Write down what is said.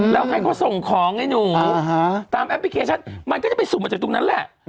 แล้วให้เขาส่งของไอ้หนูตามแอปพลิเคชันมันก็จะไปสุ่มมาจากตรงนั้นแหละ